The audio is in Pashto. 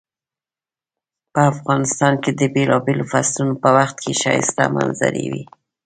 افغانستان کې د بیلابیلو فصلونو په وخت کې ښایسته منظرۍ وی